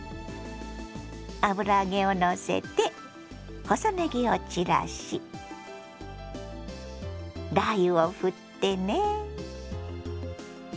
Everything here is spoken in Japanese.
油揚げをのせて細ねぎを散らしラー油をふってね。